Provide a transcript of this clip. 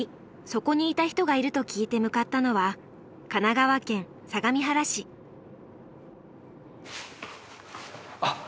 そこにいた人がいると聞いて向かったのはあっ！